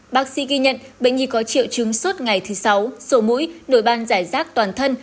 bác sĩ ghi nhận bệnh nhi có triệu chứng suốt ngày thứ sáu sổ mũi đổi ban giải rác toàn thân